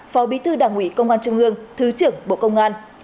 phó bí thư đảng ủy công an trung ương thứ trưởng bộ công an